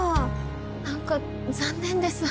何か残念です。